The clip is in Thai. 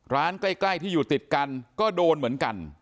ใกล้ที่อยู่ติดกันก็โดนเหมือนกัน